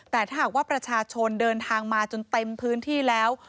แต่ถ้าหากว่าประชาชนเดินทางมาจนเต็มพื้นที่แล้ว